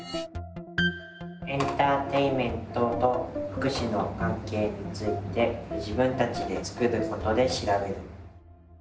エンターテインメントと福祉の関係について自分たちで作ることで調べる。